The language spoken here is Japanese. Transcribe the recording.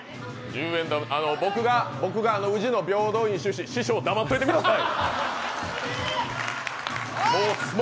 僕が宇治の平等院出身師匠黙っといてください！